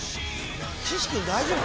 岸君大丈夫？